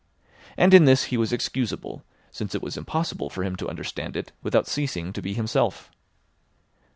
And in this he was excusable, since it was impossible for him to understand it without ceasing to be himself.